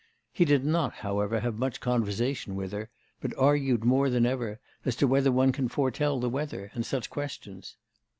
He did not, however, have much conversation with her, but argued more than ever as to whether one can foretell the weather and such questions.